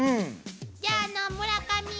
じゃあ村上。